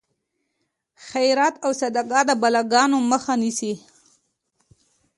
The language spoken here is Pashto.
خیرات او صدقه د بلاګانو مخه نیسي.